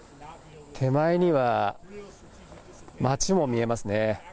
手前には町も見えますね。